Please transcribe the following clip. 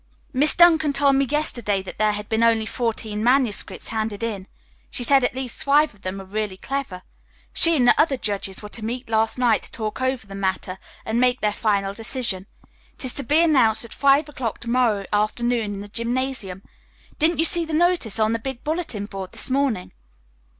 "Miss Duncan told me yesterday that there had been only fourteen manuscripts handed in. She said at least five of them were really clever. She and the other judges were to meet last night to talk over the matter and make their final decision. It is to be announced at five o'clock to morrow afternoon in the gymnasium. Didn't you see the notice on the big bulletin board this morning?"